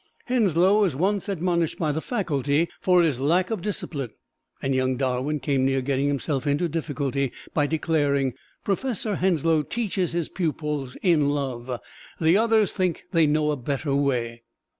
Henslow was once admonished by the faculty for his lack of discipline, and young Darwin came near getting himself into difficulty by declaring, "Professor Henslow teaches his pupils in love; the others think they know a better way!"